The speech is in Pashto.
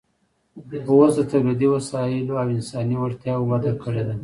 اوس د تولیدي وسایلو او انساني وړتیاوو وده کړې ده